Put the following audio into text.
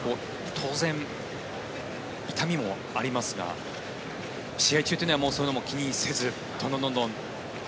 当然、痛みもありますが試合中というのは気にせずどんどん。